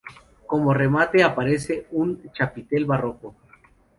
Como remate aparece un chapitel barroco.